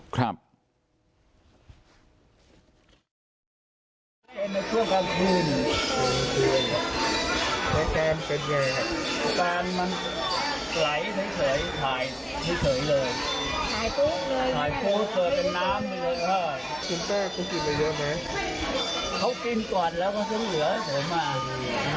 ในช่วงกลางคืน